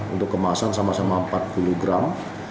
untuk kemasan sama sama empat puluh gram